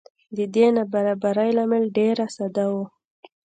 د دې نابرابرۍ لامل ډېره ساده و.